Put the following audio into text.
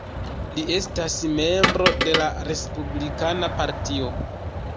Li estas membro de la Respublikana Partio.